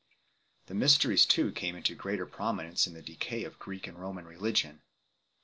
The Mys teries too came into greater prominence in the decay of Greek and Roman religion.